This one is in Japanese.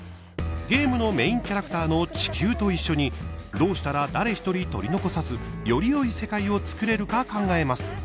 ゲームのメインキャラクターの地球と一緒にどうしたら誰１人取り残さずよりよい世界を作れるか考えます。